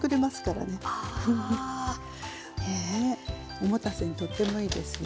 お持たせにとってもいいですよ。いいですね。